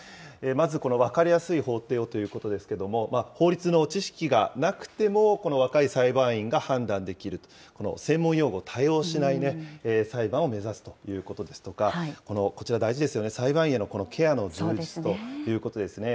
まずこの分かりやすい法廷をということですけれども、法律の知識がなくても若い裁判員が判断できると、専門用語を多用しない裁判を目指すということですとか、こちら大事ですよね、裁判員へのケアの充実ということですね。